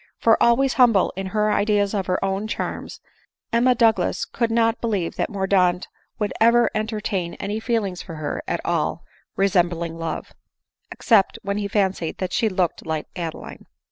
For, always humble in her ideas of her own charms, Emma Douglas could not believe that Mordaunt would ever en tertain any feeling for her at all resembling love, except when he fancied that she looked like Adeline.